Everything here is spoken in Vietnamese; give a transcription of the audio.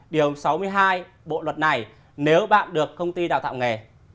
điều sáu mươi hai bộ luật này nếu bạn được công ty đào tạo nghề